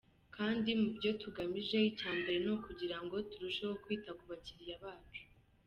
Kandi mu byo tugamije icya mbere ni ukugira ngo turusheho kwita ku bakiliya bacu.